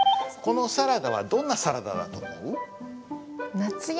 このサラダはどんなサラダだと思う？